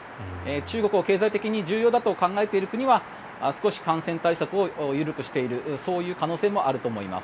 中国を経済的に重要だと考えている国は少し感染対策を緩くしている可能性はあると思います。